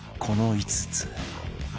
この５つ